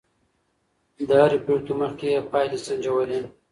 د هرې پرېکړې مخکې يې پايلې سنجولې.